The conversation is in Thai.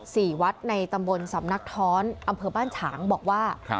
วัดในตำบลสำนักท้อนอำเภอบ้านฉางบอกว่า